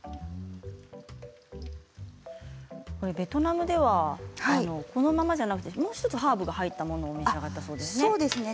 ベトナムではこのままじゃなくてもう１つハーブが入ったものを召し上がったそうですね。